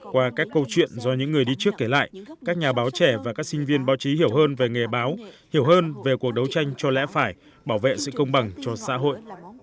qua các câu chuyện do những người đi trước kể lại các nhà báo trẻ và các sinh viên báo chí hiểu hơn về nghề báo hiểu hơn về cuộc đấu tranh cho lẽ phải bảo vệ sự công bằng cho xã hội